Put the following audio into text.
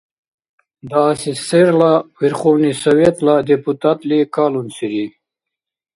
ДАССР-ла Верховный Советла депутатли калунсири.